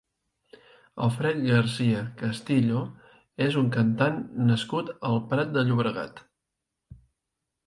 Alfred García Castillo és un cantant nascut al Prat de Llobregat.